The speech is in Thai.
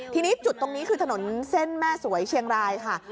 ทีนี้จุดตรงนี้คือถนนเส้นแม่สวยเชียงรายค่ะ